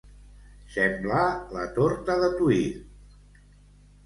Semblar la torta de Tuïr.